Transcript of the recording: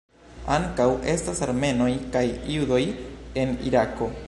Ankaŭ estas armenoj kaj judoj en Irako.